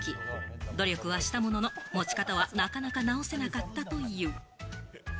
努力はしたものの、持ち方はなかなか直せなかったという。